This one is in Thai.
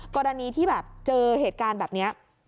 กรณีที่แบบเจอเหตุการณ์แบบนี้